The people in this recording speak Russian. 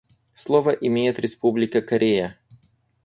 Слово имеет Республика Корея.